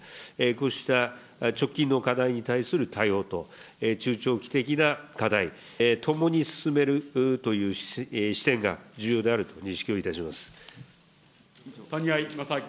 こうした直近の課題に対する対応と中長期的な課題、ともに進めるという視点が重要であると認識をしております。